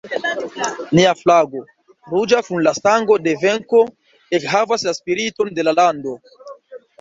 Nia flago, ruĝa kun la sango de venko, ekhavas la spiriton de la lando.